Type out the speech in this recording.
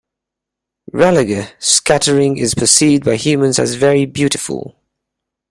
Raleigh scattering is perceived by humans as very beautiful.